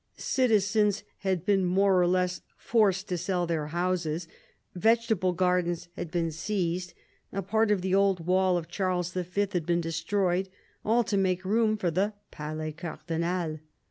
Citizens had been more or less forced to sell their houses, vegetable gardens had been seized, a part of the old wall of Charles V. had been destroyed, all to make room for the Palais Cardinal.